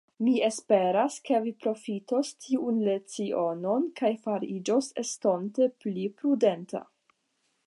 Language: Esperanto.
Mi esperas, ke vi profitos tiun lecionon, kaj fariĝos estonte pli prudenta.